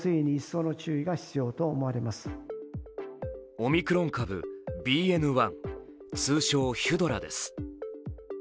オミクロン株ＢＮ．１通称・ヒュドラです。